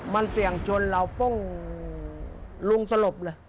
มันเสี่ยงชนเราปุ้งลุงสลบเลย